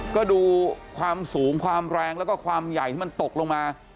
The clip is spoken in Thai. ก็ดูความสูงความแรงแล้วก็ความใหญ่ที่มันตกลงมา